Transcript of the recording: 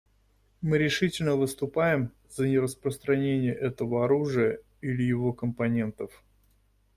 Мы решительно выступаем за нераспространение этого оружия или его компонентов.